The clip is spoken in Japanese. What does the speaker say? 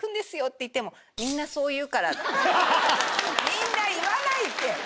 みんな言わないって。